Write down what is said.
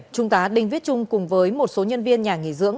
chúng ta đinh viết chung cùng với một số nhân viên nhà nghỉ dưỡng